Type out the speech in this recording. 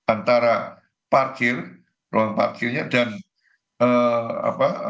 antara parkir ruang parkirnya dan apa